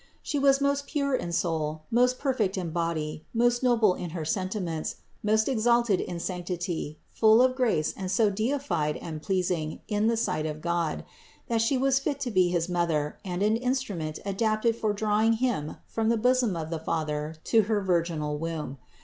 She was most pure in soul, most per fect in body, most noble in her sentiments, most exalted in sanctity, full of grace and so deified and pleasing in the sight of God, that She was fit to be his Mother and an instrument adapted for drawing Him from the bosom of the Father to her virginal womb.